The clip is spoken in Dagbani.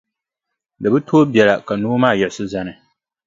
Di bi tooi biɛla ka noo maa yiɣisi zani.